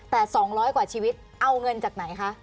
แต่๒๐๐กว่าชีวิตเอาเงินจากไหนคะ